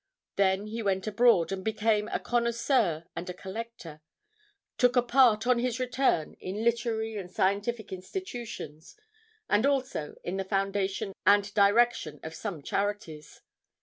Then he went abroad, and became a connoisseur and a collector; took a part, on his return, in literary and scientific institutions, and also in the foundation and direction of some charities.